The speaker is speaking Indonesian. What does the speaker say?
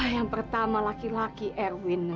yang pertama laki laki erwin